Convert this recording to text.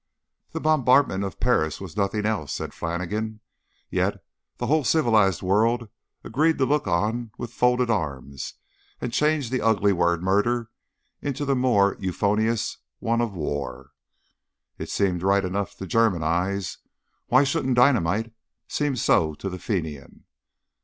"The bombardment of Paris was nothing else," said Flannigan; "yet the whole civilised world agreed to look on with folded arms, and change the ugly word 'murder' into the more euphonious one of 'war.' It seemed right enough to German eyes; why shouldn't dynamite seem so to the Fenian?"